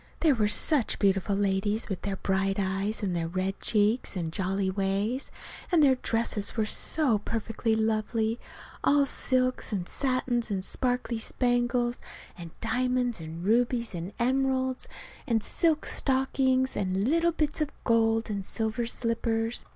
They were such beautiful ladies, with their bright eyes, and their red cheeks and jolly ways; and their dresses were so perfectly lovely, all silks and satins and sparkly spangles, and diamonds and rubies and emeralds, and silk stockings, and little bits of gold and silver slippers.